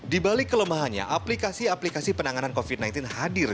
di balik kelemahannya aplikasi aplikasi penanganan covid sembilan belas hadir